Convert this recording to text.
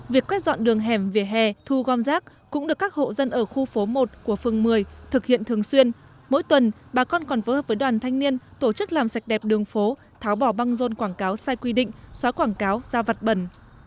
việc quét dọn đường hẻm vỉa hè thu gom rác cũng được các hộ dân ở khu phố một của phường một mươi thực hiện thường xuyên mỗi tuần bà con còn phối hợp với đoàn thanh niên tổ chức làm sạch đẹp đường phố tháo bỏ băng rôn quảng cáo sai quy định xóa quảng cáo ra vặt bẩn